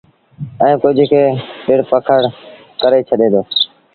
ائيٚݩٚ ڪجھ کي ٽڙ پکڙ ڪري ڇڏي دو۔